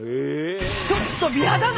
ちょっと美肌なの？